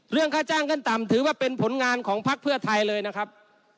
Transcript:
เรื่องค่าจ้างขั้นต่ำถือว่าเป็นผลงานของพักเพื่อไทยเลยนะครับ